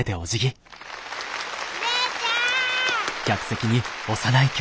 姉ちゃん。